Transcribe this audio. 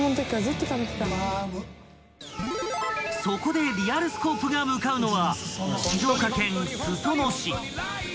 ［そこでリアルスコープが向かうのは］